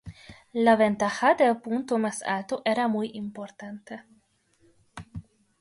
La ventaja del punto más alto era muy importante.